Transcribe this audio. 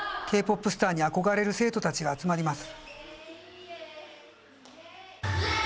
スターに憧れる生徒たちが集まります。